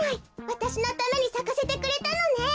わたしのためにさかせてくれたのね。